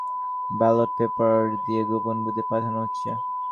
ভোটারদের হাতে শুধু সদস্য পদের ব্যালট পেপার দিয়ে গোপন বুথে পাঠানো হচ্ছে।